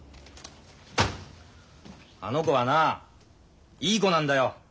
あの子はないい子なんだよ。